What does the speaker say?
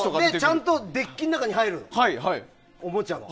ちゃんとデッキの中に入るおもちゃの。